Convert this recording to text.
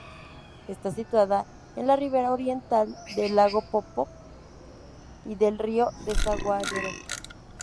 Está situada en la ribera oriental del Lago Poopó y del río Desaguadero.